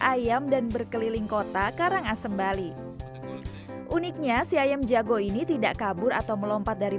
ayam dan berkeliling kota karangasem bali uniknya si ayam jago ini tidak kabur atau melompat dari